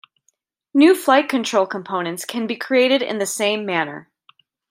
New flight control components can be created in the same manner.